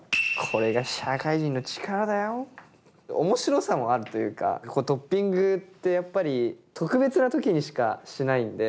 面白さもあるというかトッピングってやっぱり特別な時にしかしないんで。